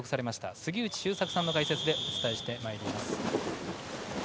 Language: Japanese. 杉内周作さんの解説でお伝えしてまいります。